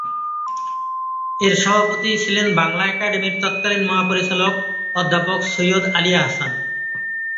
এর সভাপতি ছিলেন বাংলা একাডেমীর তৎকালীন মহাপরিচালক অধ্যাপক সৈয়দ আলী আহসান।